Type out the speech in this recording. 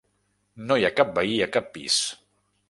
No hi ha cap veí a cap pis.